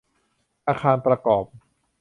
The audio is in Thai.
อาคารประกอบ